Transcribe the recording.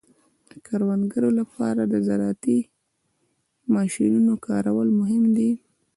د کروندګرو لپاره د زراعتي ماشینونو کارول مهم دي.